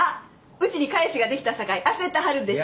うちに彼氏ができたさかい焦ってはるんでしょ？